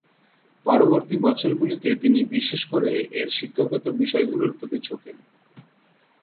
পরবর্তী বছরগুলিতে তিনি বিশেষ করে এর শিক্ষাগত বিষয়গুলির প্রতি ঝোঁকেন।